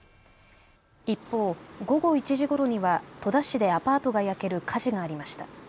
一方、午後１時ごろには戸田市でアパートが焼ける火事がありました。